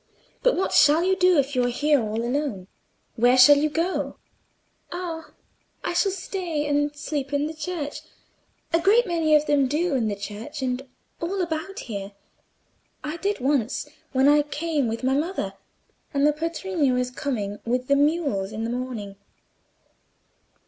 But what shall you do if you are here all alone? Where shall you go?" "Oh, I shall stay and sleep in the church—a great many of them do—in the church and all about here—I did once when I came with my mother; and the patrigno is coming with the mules in the morning."